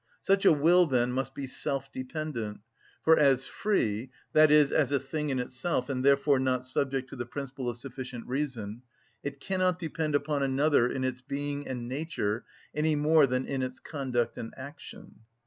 Such a will, then, must be self‐dependent, for, as free, i.e., as a thing in itself, and therefore not subject to the principle of sufficient reason, it cannot depend upon another in its being and nature any more than in its conduct and action.